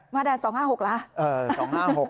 มาตรา๒๕๖หรือ